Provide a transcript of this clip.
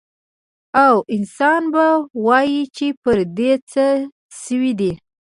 او انسان به ووايي چې پر دې څه شوي دي؟